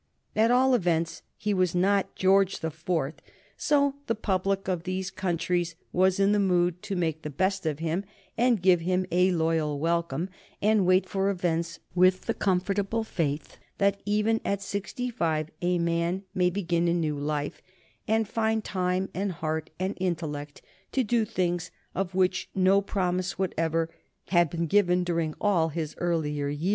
At all events, he was not George the Fourth. So the public of these countries was in the mood to make the best of him, and give him a loyal welcome, and wait for events with the comfortable faith that even at sixty five a man may begin a new life, and find time and heart and intellect to do things of which no promise whatever had been given during all his earlier years.